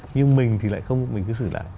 nhưng mình thì lại không mình cứ xử lại